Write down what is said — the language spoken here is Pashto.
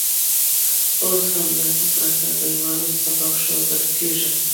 اوس همدا تفرقه د یووالي سبب ښودل کېږي.